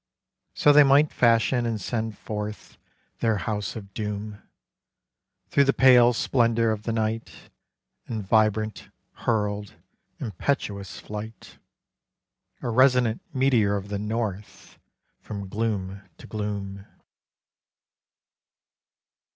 So they might fashion and send forth Their house of doom, Through the pale splendor of the night, In vibrant, hurled, impetuous flight, A resonant meteor of the North From gloom to gloom.